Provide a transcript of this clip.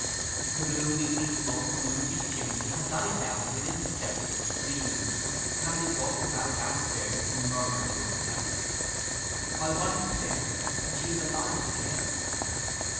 The blue evening smoke from Lucy's chimney had died down to an imperceptible stream, and as he walked about downstairs he murmured to himself, 'My wife was dead, and she is alive again.